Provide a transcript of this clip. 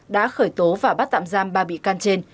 đã khởi tố và bắt tạm giam ba bị can trên